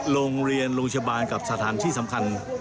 โรงเรียนโรงพยาบาลกับสถานที่สำคัญ